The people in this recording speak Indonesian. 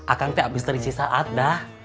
akan tak habis dari sisaat dah